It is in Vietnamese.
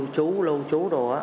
chú lâu chú đồ